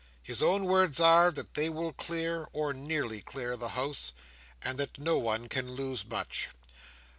His own words are, that they will clear, or nearly clear, the House, and that no one can lose much.